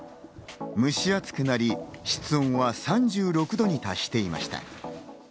蒸し暑くなり、室温は３６度に達していました。